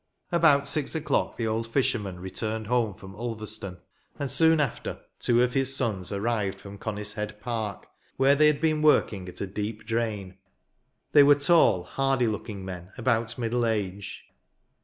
About six o'clock the old fisherman returned home from Ulver" stone ; and, soon after, two of his sons arrived from Conishead Park? where they had been working at a deep drain. They were tall' hardy looking men, about middle age.